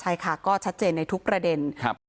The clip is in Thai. ใช่ค่ะก็ชัดเจนในทุกประเด็น